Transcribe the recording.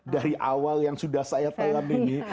dari awal yang sudah saya telap ini